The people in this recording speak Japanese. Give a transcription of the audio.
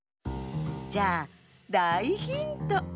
じゃあだいヒント！